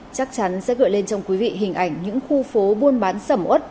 chắc chắn sẽ gợi lên trong quý vị hình ảnh những khu phố buôn bán sầm ớt